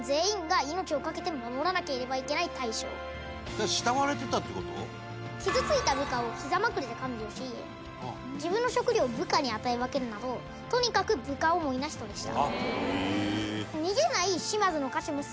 それくらい傷ついた部下を膝枕で看病し自分の食料を部下に与え分けるなどとにかく部下思いな人でした。